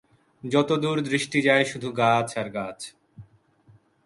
যত দূর দৃষ্টি যায় শুধু গাছ আর গাছ।